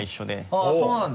あぁそうなんだ。